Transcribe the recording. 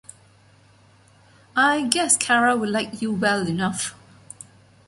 I guess Cara‘ll like you well enough.